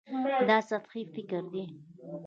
دا سطحي فکر دی.